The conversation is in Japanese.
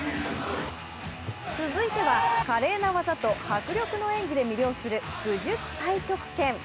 続いては華麗な技と迫力の演技で魅了する武術太極拳。